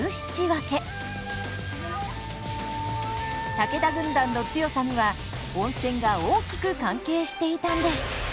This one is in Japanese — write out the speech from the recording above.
武田軍団の強さには温泉が大きく関係していたんです。